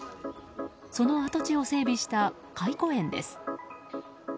その跡地を整備した、懐古園です。